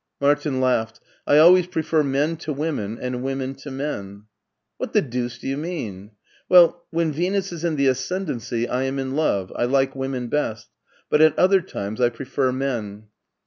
Martin laughed. " I always prefer men to women and women to men." " What the deuce do you mean ?"" Well, when Venus is in the ascendency I am in love — I like women best — ^but at other times I prefer men."